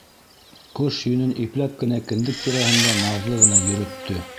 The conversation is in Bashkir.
Ҡош йөнөн ипләп кенә кендек тирәһендә наҙлы ғына йөрөттө.